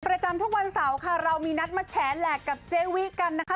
ประจำทุกวันเสาร์ค่ะเรามีนัดมาแฉแหลกกับเจวิกันนะคะ